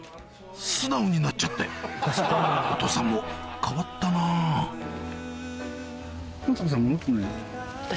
素直になっちゃってお父さんも変わったなぁ私？